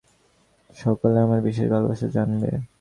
সকলে আমার বিশেষ ভালবাসা জানবে।